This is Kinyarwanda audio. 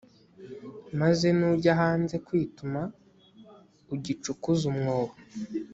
maze nujya hanze kwituma, ugicukuze umwobo,